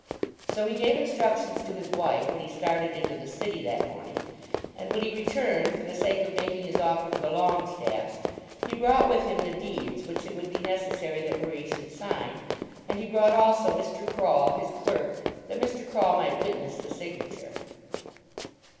So he gave instructions to his wife when he started into the city that morning; and when he returned, for the sake of making his offer to the Longestaffes, he brought with him the deeds which it would be necessary that Marie should sign, and he brought also Mr. Croll, his clerk, that Mr. Croll might witness the signature.